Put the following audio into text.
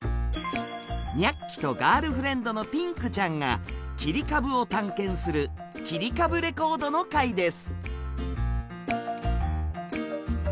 ニャッキとガールフレンドのピンクちゃんが切り株を探検する「きりかぶレコード」の回です。